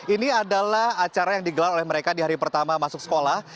ini adalah acara yang digelar oleh mereka di hari pertama masuk sekolah